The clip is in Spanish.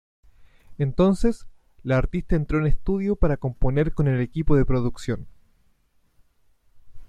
Entonces, la artista entró en estudio para componer con el equipo de producción.